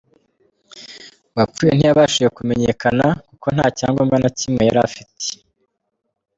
Uwapfuye ntiyabashije kumenyekana kuko nta cyangombwa na kimwe yari afite.